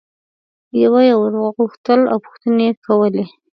یوه یي ور غوښتل او پوښتنې یې کولې.